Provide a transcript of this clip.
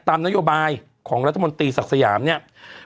ตามนโยบายของรัฐมนตรีศักดิ์สยามเนี่ย